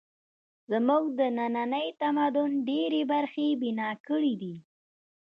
زموږ د ننني تمدن ډېرې برخې یې بنا کړې دي